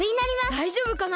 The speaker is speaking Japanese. だいじょうぶかな？